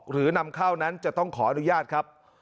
นำเข้านั้นจะต้องขออนุญาตครับ